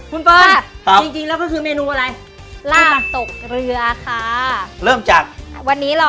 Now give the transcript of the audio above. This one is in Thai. คุณเปิ้ลจริงแล้วก็คือเมนูอะไรใช่ป่ะราบตกเรือค่ะ